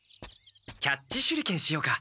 キャッチ手裏剣しようか！